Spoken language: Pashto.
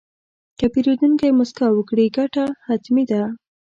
که پیرودونکی موسکا وکړي، ګټه حتمي ده.